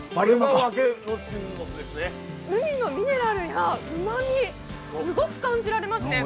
海のミネラルやうまみ、すごく感じられますね。